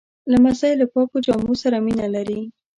لمسی له پاکو جامو سره مینه لري.